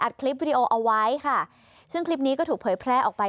คลิปวิดีโอเอาไว้ค่ะซึ่งคลิปนี้ก็ถูกเผยแพร่ออกไป